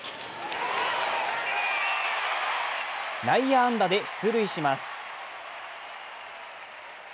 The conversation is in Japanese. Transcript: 内野安打で出塁します。